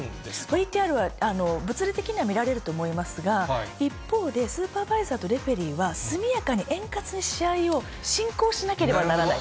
ＶＴＲは物理的には見られると思いますが、一方で、スーパーバイザーとレフェリーは、速やかに円滑に試合を進行しなければならない。